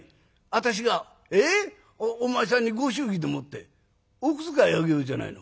私がお前さんにご祝儀でもってお小遣いをあげようじゃないの」。